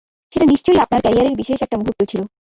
সেটা নিশ্চয়ই আপনার ক্যারিয়ারের বিশেষ একটা মুহূর্ত ছিল।